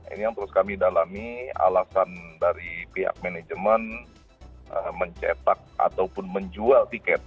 ini yang terus kami dalami alasan dari pihak manajemen mencetak ataupun menjual tiket